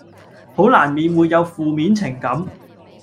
好難免會有負面情感